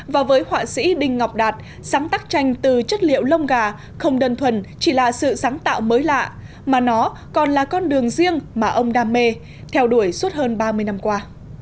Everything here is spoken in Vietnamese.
và với họa sĩ đinh ngọc đạt sáng tác tranh từ chất liệu lông gà không đơn thuần chỉ là sự sáng tạo mới lạ mà nó còn là con đường riêng mà ông đam mê theo đuổi suốt hơn ba mươi năm qua